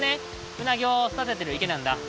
うなぎを育ててる池なんだ。